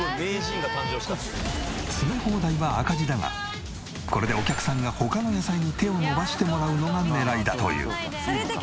詰め放題は赤字だがこれでお客さんが他の野菜に手を伸ばしてもらうのが狙いだという。